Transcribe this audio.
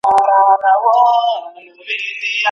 ایا څېړنه د علمي ژبي غوښتنه کوي؟